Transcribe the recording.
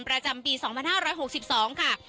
ประจำปี๒๕๖๒ค่ะ